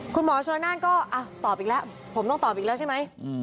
คุณหมอชนละนานก็ตอบอีกแล้วผมต้องตอบอีกแล้วใช่ไหม